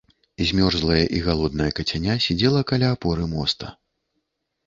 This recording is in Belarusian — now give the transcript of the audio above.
Змёрзлае і галоднае кацяня сядзела каля апоры моста.